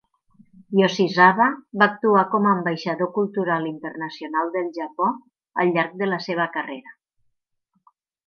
Yoshizawa va actuar com a ambaixador cultural internacional del Japó al llarg de la seva carrera.